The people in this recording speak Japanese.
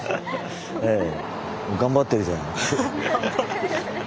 頑張ってるじゃん。